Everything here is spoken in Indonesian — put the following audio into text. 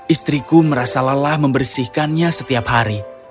istriku merasa lelah membersihkannya setiap hari